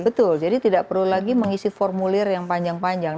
betul jadi tidak perlu lagi mengisi formulir yang panjang panjang